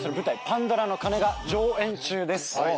『パンドラの鐘』が上演中です。